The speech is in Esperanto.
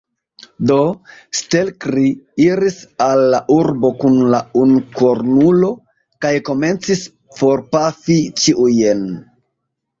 Do, Stelkri iris al la urbo kun la unukornulo, kaj komencis forpafi ĉiujn.